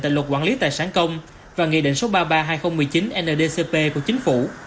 tại luật quản lý tài sản công và nghị định số ba mươi ba hai nghìn một mươi chín ndcp của chính phủ